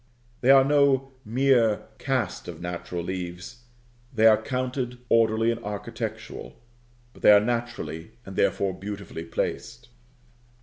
They are no mere cast of natural leaves; they are counted, orderly, and architectural: but they are naturally, and therefore beautifully, placed.